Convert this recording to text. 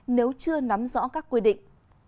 nếu chưa nắm rõ các quy định